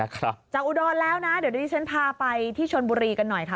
จากอุดรแล้วนะเดี๋ยวนี้ฉันพาไปที่ชนบุรีกันหน่อยค่ะ